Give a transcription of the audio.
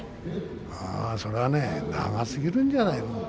それは長すぎるんじゃないの？